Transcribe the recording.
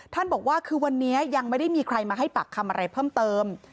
บอกว่าคือวันนี้ยังไม่ได้มีใครมาให้ปากคำอะไรเพิ่มเติม